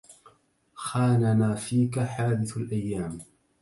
خاننا فيك حادث الأيام